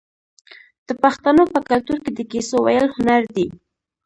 د پښتنو په کلتور کې د کیسو ویل هنر دی.